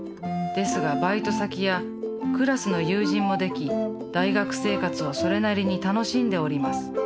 ですがバイト先やクラスの友人もでき大学生活をそれなりに楽しんでおります。